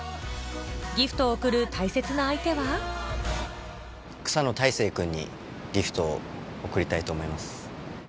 ・ギフトを贈る大切な相手は草野大成君にギフトを贈りたいと思います。